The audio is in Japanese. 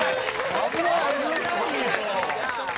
危ないよ！